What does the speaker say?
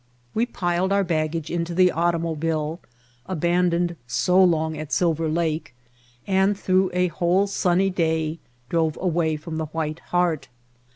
We piled our baggage into the automobile, abandoned so long at Silver Lake, and through a whole sunny day drove away from the White Heart.